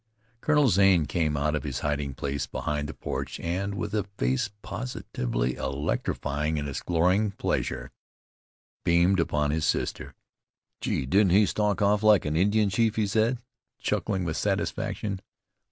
Colonel Zane came out of his hiding place behind the porch and, with a face positively electrifying in its glowing pleasure, beamed upon his sister. "Gee! Didn't he stalk off like an Indian chief!" he said, chuckling with satisfaction.